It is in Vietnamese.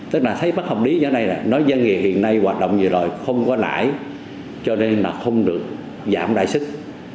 tức là thấy bắt học lý như thế này nói doanh nghiệp hiện nay hoạt động như vậy rồi không có lãi cho nên là không được giảm đại sức